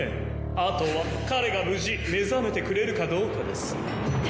あとは彼が無事目覚めてくれるかどうかです。